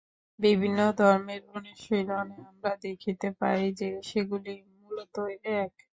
বিভিন্ন ধর্মের অনুশীলনে আমরা দেখিতে পাই যে, সেগুলি মূলত এক।